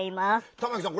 玉木さん